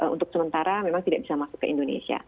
untuk sementara memang tidak bisa masuk ke indonesia